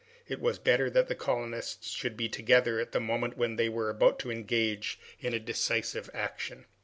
It was better that the colonists should be together at the moment when they were about to engage in a decisive action.